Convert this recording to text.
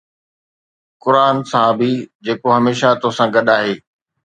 قرآن: صحابي، جيڪو هميشه توسان گڏ آهي